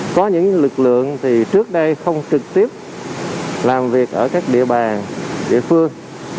có những lực lượng thì trước đây không trực tiếp làm việc ở các địa bàn địa phương